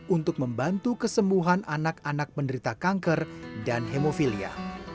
untuk membantu kesembuhan anak anak penderita kanker dan hemofilia